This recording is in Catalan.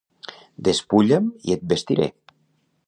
Despulla'm i et vestiré.